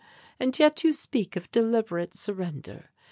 And yet you speak of deliberate surrender!